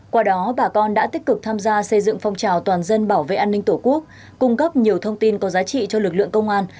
qua đó bà con đã tích cực tham gia xây dựng phong trào toàn dân bảo vệ an ninh tổ quốc cung cấp nhiều thông tin có giá trị cho lực lượng công an